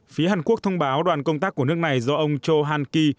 phía hàn quốc thông báo đoàn công tác của nước này do ông cho han ki